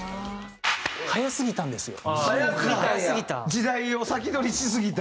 時代を先取りしすぎた？